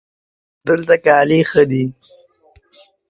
دلته کالي ښه دي